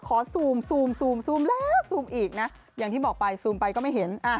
ซูมซูมซูมแล้วซูมอีกนะอย่างที่บอกไปซูมไปก็ไม่เห็น